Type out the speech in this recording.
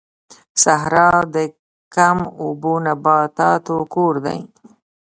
صحرا د کم اوبو نباتاتو کور دی